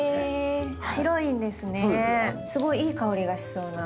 すごいいい香りがしそうな。